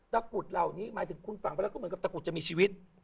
ตะกุดเหล่านี้หมายถึงคุณฟังว่าเหมือนกับตะกุดจะมีชีวิต